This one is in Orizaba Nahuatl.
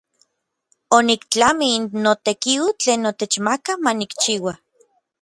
Oniktlamij n notekiu tlen otechmakak ma nikchiua.